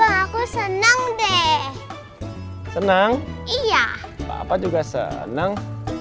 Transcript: aku senang deh senang iya papa juga senang